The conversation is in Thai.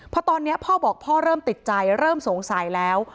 เพราะตอนนี้พ่อบอกพ่อเริ่มติดใจเริ่มสงสัยแล้ว